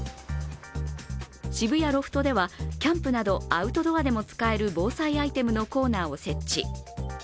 渋谷ロフトではキャンプなどアウトドアでも使える防災アイテムのコーナーを設置。